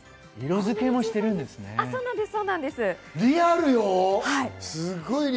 色付けもしてるんですね。